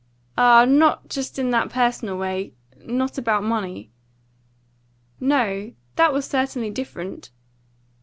"Ah, not just in that personal way not about money." "No, that was certainly different."